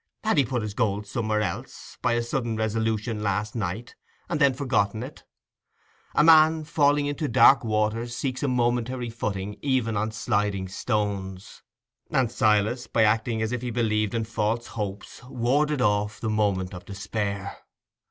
Had he put his gold somewhere else, by a sudden resolution last night, and then forgotten it? A man falling into dark waters seeks a momentary footing even on sliding stones; and Silas, by acting as if he believed in false hopes, warded off the moment of despair.